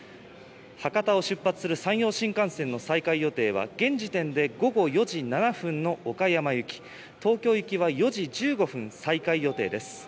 博多を出発する山陽新幹線の再開予定は、現時点で午後４時７分の岡山行き、東京行きは４時１５分再開予定です。